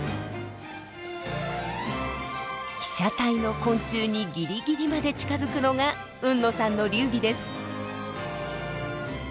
被写体の昆虫にぎりぎりまで近づくのが海野さんの流儀です。